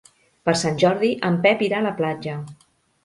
Per Sant Jordi en Pep irà a la platja.